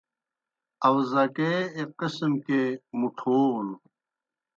آؤزکے ایْک قسم کے مُٹَھوٗنوْ۔